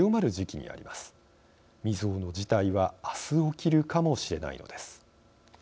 未曽有の事態はあす起きるかもしれないのです。